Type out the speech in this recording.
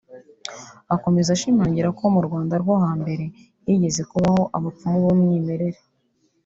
Akomeza ashimangira ko mu Rwanda rwo hambere higeze kubaho abapfumu b’umwimerere